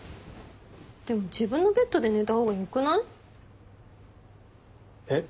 でも自分のベッドで寝た方がよくない？えっ？